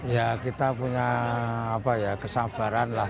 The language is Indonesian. ya kita punya kesabaran lah